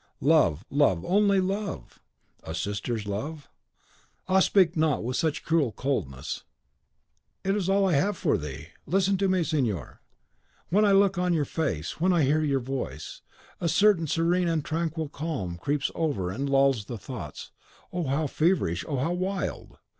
"Love, love, only love!" "A sister's love?" "Ah, speak not with such cruel coldness!" "It is all I have for thee. Listen to me, signor: when I look on your face, when I hear your voice, a certain serene and tranquil calm creeps over and lulls thoughts, oh, how feverish, how wild!